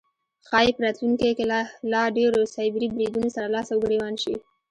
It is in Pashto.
ښایي په راتلونکی کې له لا ډیرو سایبري بریدونو سره لاس او ګریوان شي